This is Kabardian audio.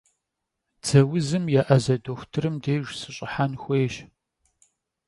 Dze vuzım yê'eze doxutırım dêjj sış'ıhen xuêyş.